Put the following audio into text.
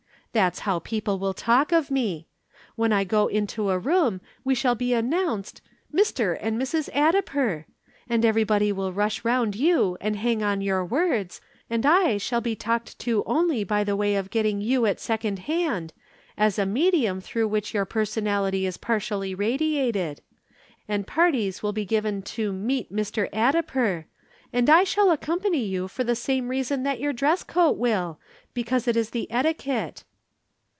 That's how people will talk of me. When I go into a room we shall be announced, 'Mr. and Mrs. Addiper' and everybody will rush round you and hang on your words, and I shall be talked to only by the way of getting you at second hand, as a medium through which your personality is partially radiated. And parties will be given 'To meet Mr. Addiper,' and I shall accompany you for the same reason that your dress coat will because it is the etiquette."